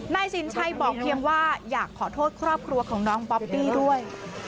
นายสินชัยบอกเพียงว่าอยากขอโทษครอบครัวของน้องบ๊อบบี้ด้วย